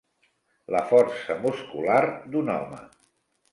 La força muscular d'un home.